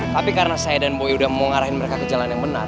tapi karena saya dan boyo udah mau ngarahin mereka ke jalan yang benar